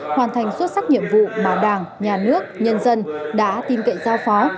hoàn thành xuất sắc nhiệm vụ mà đảng nhà nước nhân dân đã tin cậy giao phó